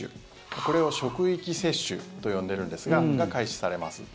これを職域接種と呼んでるんですが開始されます。